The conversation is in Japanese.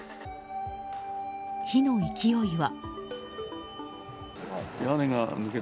火の勢いは。